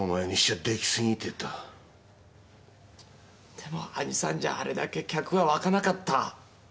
でも兄さんじゃあれだけ客はわかなかった。